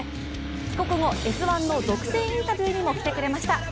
帰国後、「Ｓ☆１」の独占インタビューにも来てくれました。